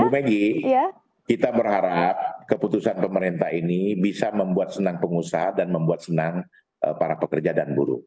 bu megi kita berharap keputusan pemerintah ini bisa membuat senang pengusaha dan membuat senang para pekerja dan buruh